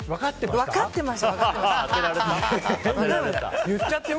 分かってましたよ。